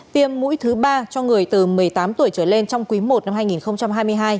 tiêm mũi thứ ba cho người từ một mươi tám tuổi trở lên trong quý i năm hai nghìn hai mươi hai